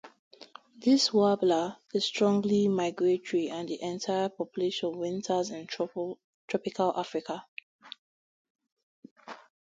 This warbler is strongly migratory and the entire population winters in tropical Africa.